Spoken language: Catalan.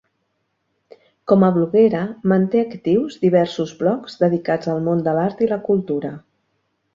Com a bloguera, manté actius diversos blogs dedicats al món de l'art i la cultura.